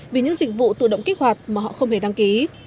vì những dịch vụ tự động kích hoạt mà họ không hề đăng ký